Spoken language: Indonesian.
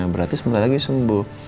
berarti sebentar lagi sembuh